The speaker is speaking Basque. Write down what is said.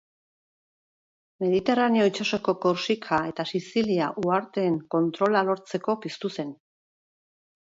Mediterraneo itsasoko Korsika eta Sizilia uharteen kontrola lortzeko piztu zen.